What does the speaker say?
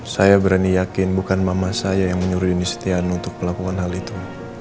saya berani yakin bukan mama saya yang menyuruh yunis tiano untuk melakukan hal itu